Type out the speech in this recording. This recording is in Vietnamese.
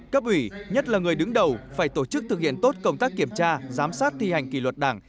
cấp ủy nhất là người đứng đầu phải tổ chức thực hiện tốt công tác kiểm tra giám sát thi hành kỷ luật đảng